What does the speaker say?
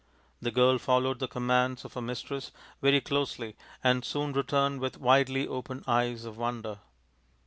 The girl followed the commands of her mistress very closely and soon returned with widely opened eyes of wonder.